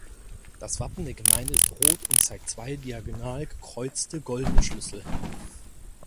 Das Wappen der Gemeinde ist rot und zeigt zwei diagonal gekreuzte, goldene Schlüssel.